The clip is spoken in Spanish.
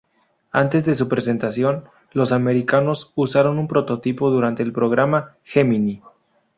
Antes de su presentación, los americanos usaron un prototipo durante el Programa Gemini.